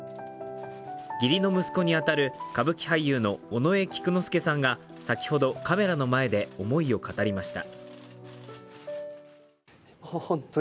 義理の息子に当たる歌舞伎俳優の尾上菊之助さんが先ほど、カメラの前で思いを語りました。